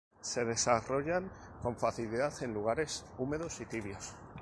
Se desarrollan con facilidad en lugares húmedos y tibios.